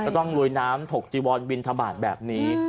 ต้องลุยน้ำถกจีวอนบินทบาทแบบนี้